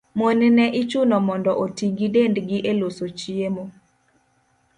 Mon ne ichuno mondo oti gi dendgi e loso chiemo.